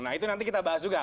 nah itu nanti kita bahas juga